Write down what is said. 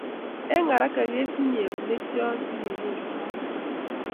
eng araka kesinye keunek choo sikenyoru lalangiet